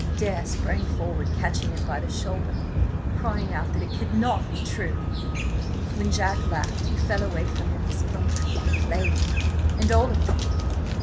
"Dare sprang forward, catching him by the shoulder–crying out that it could not be true! When Jack laughed–he fell away from him as from–the plague. And all of them!